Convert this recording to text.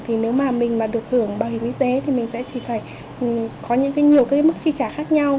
thì nếu mà mình mà được hưởng bảo hiểm y tế thì mình sẽ chỉ phải có những nhiều cái mức chi trả khác nhau